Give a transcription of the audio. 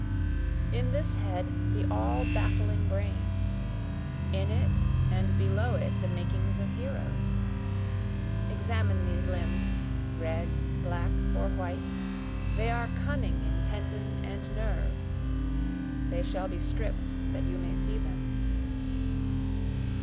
In this head the all baffling brain, In it and below it the makings of heroes. Examine these limbs, red, black, or white, they are cunning in tendon and nerve, They shall be stript that you may see them.